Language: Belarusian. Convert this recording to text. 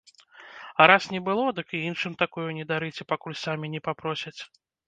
А раз не было, дык і іншым такую не дарыце, пакуль самі не папросяць.